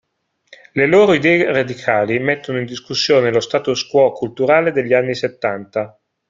Le loro idee radicali mettono in discussione lo statu quo culturale degli anni settanta.